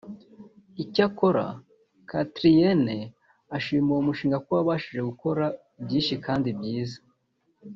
Icyakora Katrieen ashima uwo mushinga ko wabashije gukora byinshi kandi byiza